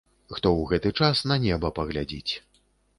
Хто у гэты час на неба паглядзіць.